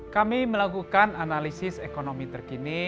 kami melakukan analisis ekonomi terkini